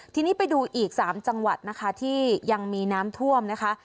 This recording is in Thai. ทีนี้ไปดูอีก๓จังหวัดนะคะที่ยังมีน้ำท่วมนะคะ